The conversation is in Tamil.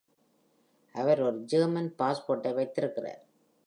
அவர் ஒரு ஜெர்மன் பாஸ்போர்ட்டை வைத்திருக்கிறார்.